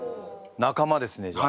仲間ですねじゃあ。